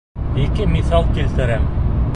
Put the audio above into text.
Ике миҫал килтерәм.